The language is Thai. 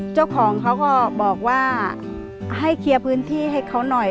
เจ้าของเขาก็บอกว่าให้เคลียร์พื้นที่ให้เขาหน่อย